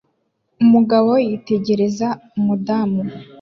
umugabo yitegereza umudamu